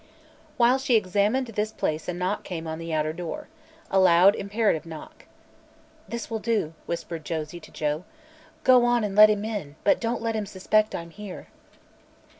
While she examined this place a knock came on the outer door a loud, imperative knock. "This will do," whispered Josie to Joe. "Go an let him in, but don't let him suspect I'm here."